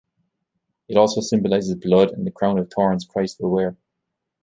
It also symbolizes blood and the crown of thorns Christ will wear.